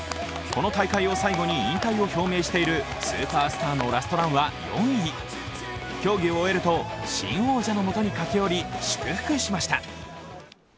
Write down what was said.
この大会を最後に引退を表明しているスーパースターのラストランは４位競技を終えると、新王者のもとに駆け寄り、祝福しました。